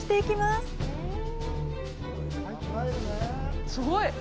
すごい！